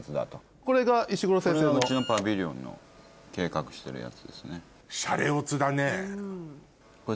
これがうちのパビリオンの計画してるやつですね。